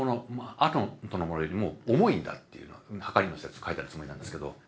あとのものよりも重いんだっていうのをはかりに載せて書いたつもりなんですけど。